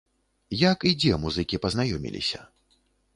Як і дзе музыкі пазнаёміліся?